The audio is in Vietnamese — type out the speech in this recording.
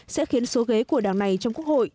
sẽ khiến số ghế của đảng này trong quốc hội